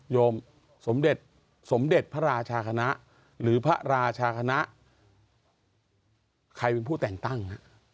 โยมสมเด็จสมเด็จพระราชาคณะหรือพระราชาคณะใครเป็นผู้แต่งตั้ง